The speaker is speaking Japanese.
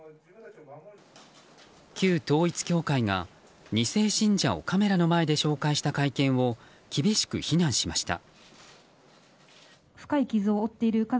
旧統一教会が２世信者をカメラの前で紹介した会見を厳しく非難しました。